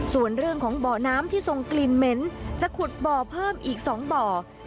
ส่วนเรื่องของบ่อน้ำที่ทรงกลิ่นเหม็นจะขุดบ่อเพิ่มอีก๒บ่อ